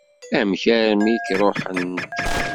Amek armi i k-ṛuḥent?